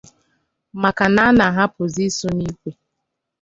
maka na a na-ahapụzị ịsụ n'ikwe